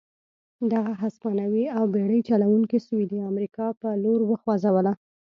دغه هسپانوي او بېړۍ چلوونکي سوېلي امریکا په لور وخوځوله.